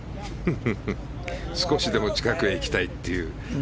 少しでも近くへ行きたいという。